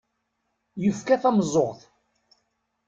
Yefka tameẓẓuɣt.